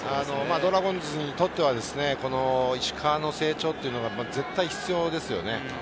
ドラゴンズにとっては石川の成長というのが絶対必要ですよね。